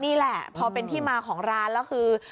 นี่แหละพอเป็นที่มาของร้านแล้วคือ